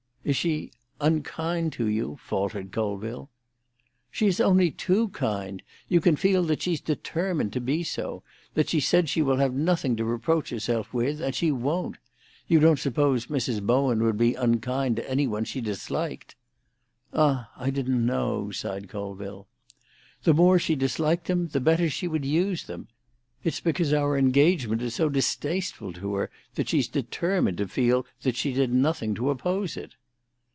"Is she—unkind to you?" faltered Colville. "She is only too kind. You can feel that she's determined to be so—that she's said she will have nothing to reproach herself with, and she won't. You don't suppose Mrs. Bowen would be unkind to any one she disliked?" "Ah, I didn't know," sighed Colville. "The more she disliked them, the better she would use them. It's because our engagement is so distasteful to her that she's determined to feel that she did nothing to oppose it."